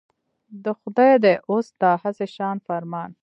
د خدای دی اوس دا هسي شان فرمان.